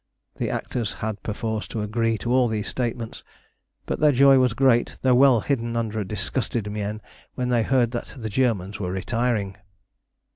The actors had perforce to agree to all these statements, but their joy was great, though well hidden under a disgusted mien, when they heard that the Germans were retiring.